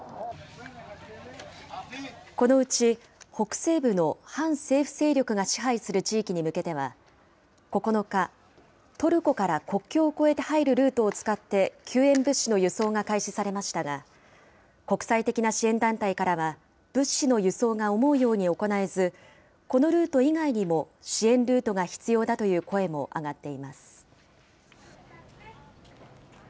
このうち北西部の反政府勢力が支配する地域に向けては、９日、トルコから国境を越えて入るルートを使って、救援物資の輸送が開始されましたが、国際的な支援団体からは、物資の輸送が思うように行えず、このルート以外にも、支援ルートが必要だという声も上がっています。